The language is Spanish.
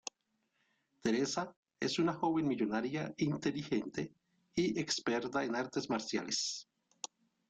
Theresa es una joven millonaria, inteligente y experta en artes marciales.